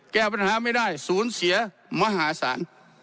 แก้ปัญหาไม่ได้ศูนย์เสียมหาศาล